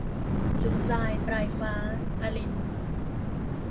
สุดทราย ปลายฟ้า - อลินน์